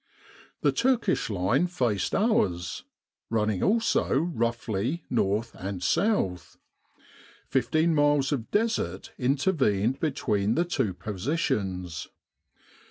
The Turkish line faced ours, running also roughly north and south. Fifteen miles of Desert intervened between the two positions.